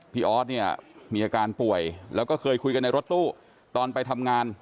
ออสเนี่ยมีอาการป่วยแล้วก็เคยคุยกันในรถตู้ตอนไปทำงาน